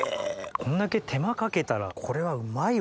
こんだけ手間かけたらこれはうまいわ。